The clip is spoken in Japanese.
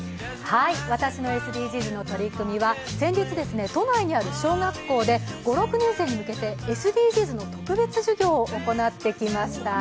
私のＳＤＧｓの取り組みは先日、都内にある小学校で５６年生に向けてＳＤＧｓの特別授業を行ってきました。